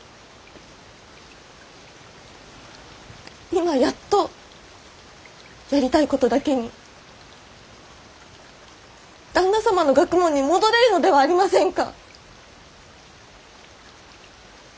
今やっとやりたいことだけに旦那様の学問に戻れるのではありませんか！